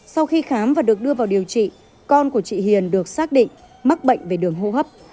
sau khi khám và được đưa vào điều trị con của chị hiền được xác định mắc bệnh về đường hô hấp